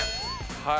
はい。